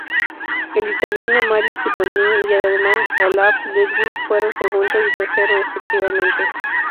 El italiano Mario Cipollini y el alemán Olaf Ludwig fueron segundo y tercero respectivamente.